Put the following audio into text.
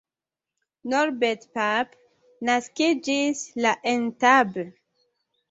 Norbert Pap naskiĝis la en Tab.